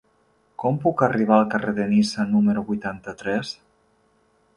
Com puc arribar al carrer de Niça número vuitanta-tres?